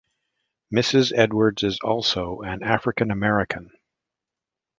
Mrs. Edwards is also an African American.